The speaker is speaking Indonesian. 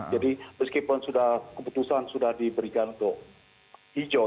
jadi meskipun keputusan sudah diberikan untuk hijau